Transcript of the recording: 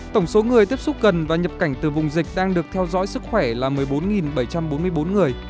tổng số người tiếp xúc gần và nhập cảnh từ vùng dịch đang được theo dõi sức khỏe là một mươi bốn bảy trăm bốn mươi bốn người